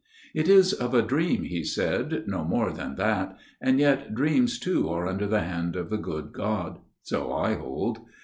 " It is of a dream," he said, " no more than that ; and yet dreams too are under the hand of the good God ; so I hold.